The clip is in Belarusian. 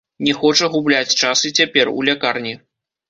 Не хоча губляць час і цяпер, у лякарні.